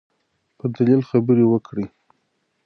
په دلیل خبرې وکړئ.